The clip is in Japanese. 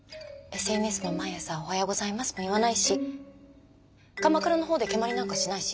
ＳＮＳで毎日「おはようございます」も言わないし鎌倉のほうで蹴まりなんかしないし。